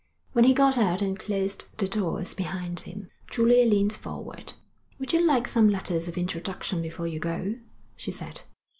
When he got out and closed the doors behind him, Julia leaned forward. 'Would you like some letters of introduction before you go?' she said.